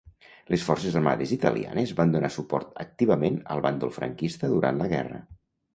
Les forces armades italianes van donar suport activament al bàndol franquista durant la guerra.